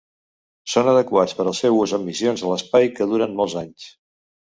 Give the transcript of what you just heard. Són adequats per al seu ús en missions a l'espai que duren molts anys.